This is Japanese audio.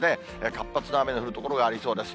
活発な雨の降る所がありそうです。